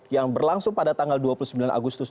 yang berlangsung pada tanggal dua puluh sembilan agustus